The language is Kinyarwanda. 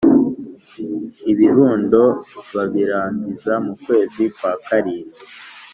Ibirundo babirangiza mu kwezi Kwa karindwi